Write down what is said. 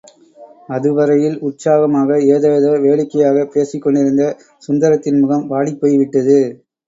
அதுவரையில் உற்சாகமாக ஏதேதோ வேடிக்கையாகப் பேசிக்கொண்டிருந்த சுந்தரத்தின் முகம் வாடிப்போய்விட்டது.